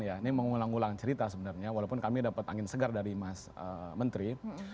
ini mengulang ulang cerita sebenarnya walaupun kami dapat angin segar dari mas menteri